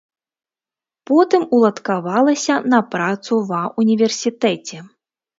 Потым уладкавалася на працу ва ўніверсітэце.